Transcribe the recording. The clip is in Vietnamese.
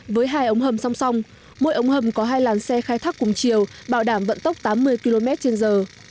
với hai ống hầm song song mỗi ống hầm có hai làn xe khai thác cùng chiều bảo đảm vận tốc tám mươi km trên giờ